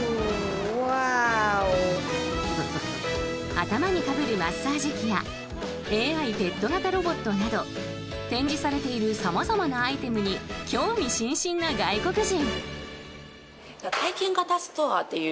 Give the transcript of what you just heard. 頭にかぶるマッサージ器やＡＩペット型ロボットなど展示されている様々なアイテムに興味津々な外国人。